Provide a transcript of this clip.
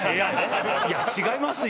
いや、違いますよ。